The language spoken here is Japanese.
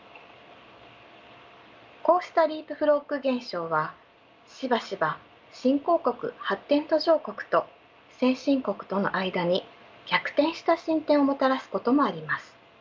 こうしたリープフロッグ現象はしばしば新興国・発展途上国と先進国との間に逆転した進展をもたらすこともあります。